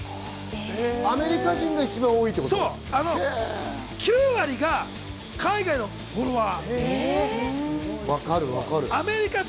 アメリカ人が一番多いってこ９割が海外のフォロワー。